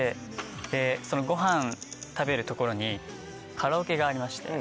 でそのごはん食べる所にカラオケがありまして。